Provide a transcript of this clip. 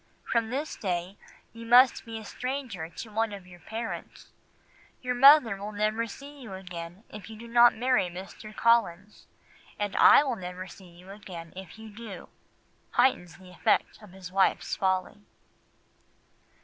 From this day you must be a stranger to one of your parents. Your mother will never see you again if you do not marry Mr. Collins, and I will never see you again if you do,'" heightens the effect of his wife's folly.